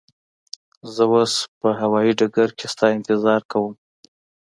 زه اوس به هوایی ډګر کی ستا انتظار کوم.